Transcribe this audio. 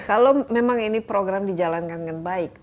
kalau memang ini program dijalankan dengan baik